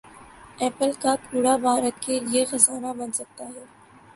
apple کا کوڑا بھارت کیلئے خزانہ بن سکتا ہے